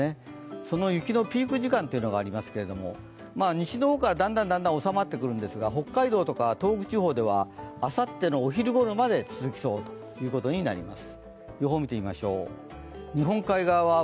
その雪のピーク時間というのがありますけど、西の方からだんだん収まってくるんですけど、北海道や東北地方ではあさってのお昼ごろまで続きそうということになります。